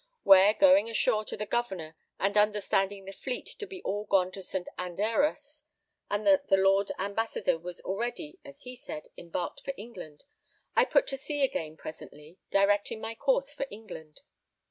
Where going ashore to the Governor and understanding the fleet to be all gone to St. Anderas and that the Lord Ambassador was already (as he said) embarked for England, I put to sea again presently, directing my course for England.